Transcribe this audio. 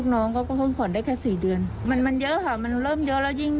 ก็ออกไปด้านไลน์